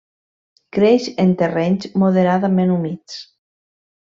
Creix en terrenys moderadament humits.